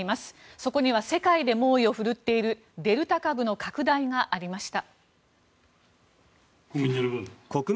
そこには世界で猛威を振るっているデルタ株の拡大がありました。